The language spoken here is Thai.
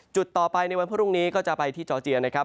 จุดต่อไปในวันพรุ่งนี้ก็จะไปที่จอร์เจียนะครับ